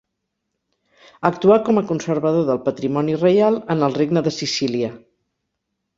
Actuà com a conservador del patrimoni reial en el regne de Sicília.